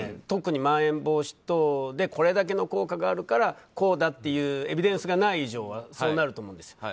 特にまん延防止等でこれだけの効果があるからこうだというエビデンスがない以上はそうなると思います。